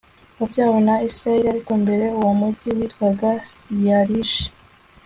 wabyawe na israheli, ariko mbere uwo mugi witwaga layishi